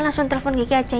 langsung telepon kiki aja ya